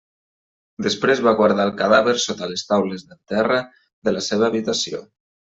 Després va guardar el cadàver sota les taules del terra de la seva habitació.